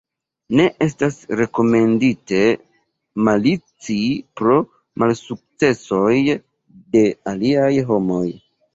Ne estas rekomendite malici pro malsukcesoj de aliaj homoj.